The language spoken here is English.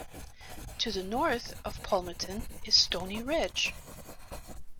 To the north of Palmerton is Stony Ridge.